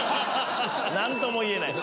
「何とも言えない」。